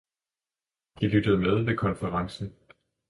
De lyttede med ved konferencen